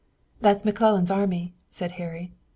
"That's McClellan's army," said Harry.